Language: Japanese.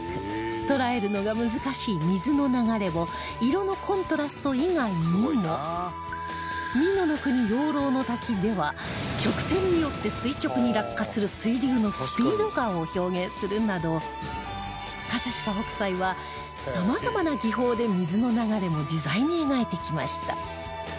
捉えるのが難しい水の流れを『美濃ノ国養老の滝』では直線によって垂直に落下する水流のスピード感を表現するなど飾北斎はさまざまな技法で水の流れも自在に描いてきました